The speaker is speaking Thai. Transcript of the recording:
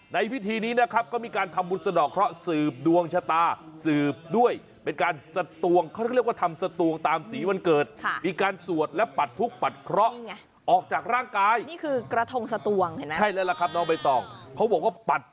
ในพิธีนี้นะครับก็มีการทำบุษนอก